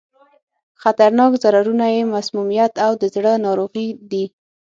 خطرناک ضررونه یې مسمومیت او د زړه ناروغي دي.